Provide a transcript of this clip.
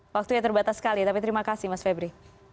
waktunya terbatas sekali tapi terima kasih mas febri